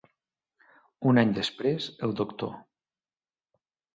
Un any després el doctor